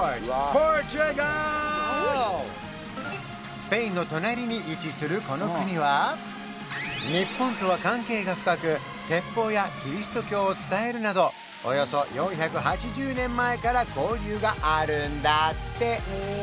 スペインの隣に位置するこの国は日本とは関係が深く鉄砲やキリスト教を伝えるなどおよそ４８０年前から交流があるんだって